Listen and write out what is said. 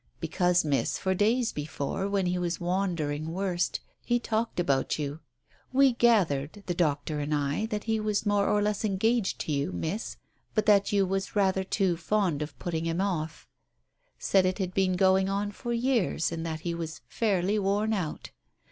"Because, Miss, for days before, when he was wander ing worst, he talked about you. We gathered, the doctor and I, that he was more or less engaged to you, Miss, but that you was rather too fond of putting him off. Said it had been going on for years, and that he was fairly worn out.